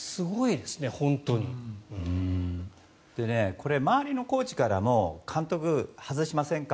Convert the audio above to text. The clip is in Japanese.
これ、周りのコーチからも監督、外しませんか？